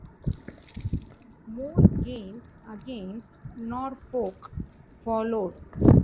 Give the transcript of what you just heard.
More games against Norfolk followed.